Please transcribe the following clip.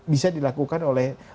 bisa dilakukan oleh